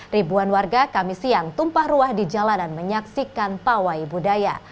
ribuan warga kami siang tumpah ruah di jalanan menyaksikan pawai budaya